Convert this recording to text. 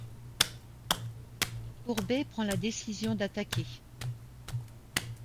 Courbet prend la décision d'attaquer.